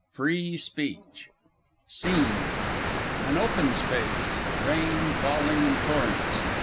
Free Speech SCENE _An Open Space. Rain falling in torrents.